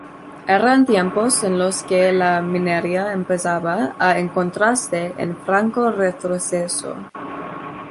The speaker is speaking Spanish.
Eran tiempos en los que la minería empezaba a encontrarse en franco retroceso.